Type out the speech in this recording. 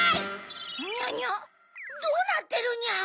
ニャニャ⁉どうなってるニャン？